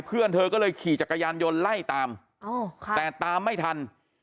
เพื่อนเธอก็เลยขี่จักรยานยนต์ไล่ตามแต่ตามไม่ทัน